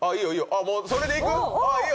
あっもうそれでいく？